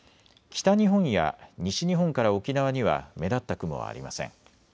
北日本や西日本から沖縄には目立った雲はありません。